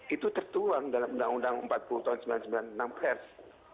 itu tertuang dalam undang undang empat puluh tahun seribu sembilan ratus sembilan puluh enam pers